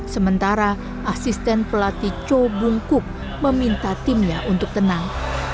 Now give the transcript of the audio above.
sementara asisten pelatih cho bungkuk meminta timnya untuk tenang